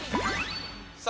さあ、